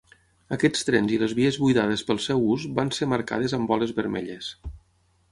Aquests trens i les vies buidades pel seu us van ser marcades amb boles vermelles.